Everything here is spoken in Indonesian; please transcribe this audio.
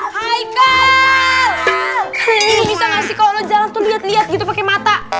kalian ini bisa gak sih kalau lo jalan tuh liat liat gitu pake mata